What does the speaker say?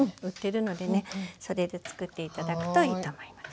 それでつくって頂くといいと思います。